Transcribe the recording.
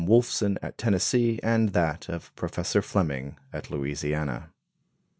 Wolfson, at Tennessee, and that of Professor Fleming, at Louisiana.